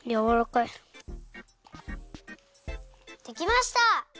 できました！